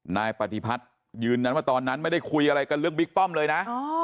นายปฏิพัฒน์ยืนยันว่าตอนนั้นไม่ได้คุยอะไรกันเรื่องบิ๊กป้อมเลยนะ